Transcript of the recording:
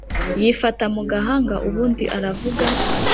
yifat mugahanga ubundi aravuga